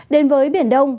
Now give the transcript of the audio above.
đến với biển đông